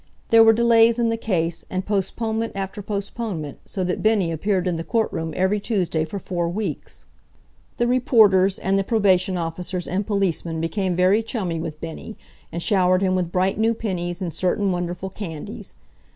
There were delays in the case, and postponement after postponement, so that Bennie appeared in the court room every Tuesday for four weeks. The reporters, and the probation officers and policemen became very chummy with Bennie, and showered him with bright new pennies and certain wonderful candies.